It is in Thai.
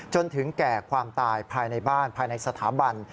จนถึงแก่ความตายภายในบ้านภายในสถาบัน